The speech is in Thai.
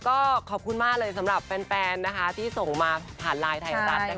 ครับคุณมากเลยสำหรับแฟนที่ส่งมาผ่านไลน์ไทยกับรัฐ